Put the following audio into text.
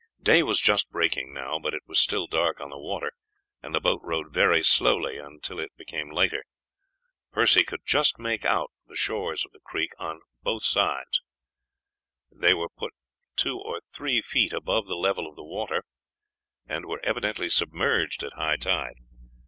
Day was just breaking now, but it was still dark on the water, and the boat rowed very slowly until it became lighter. Percy could just make out the shores of the creek on both sides; they were but two or three feet above the level of the water, and were evidently submerged at high tide.